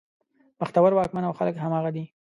بختور واکمن او خلک همغه دي.